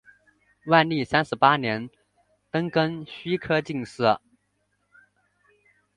万历三十八年登庚戌科进士。